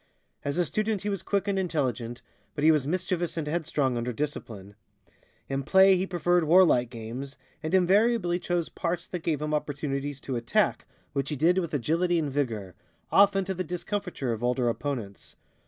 As a student he was quick and intelligent, but he was mischievous and headstrong under discipline. In play he preferred warlike games, and invariably chose parts that gave him opportunities to attack, which he did with agility and vigor, often to the discomfiture of older opponents.